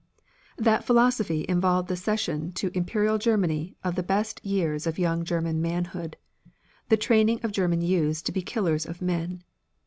That philosophy involved the cession to imperial Germany of the best years of young German manhood, the training of German youths to be killers of men.